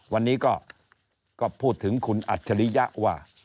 วันนี้ก็พูดถึงคุณอัจฉริยะว่า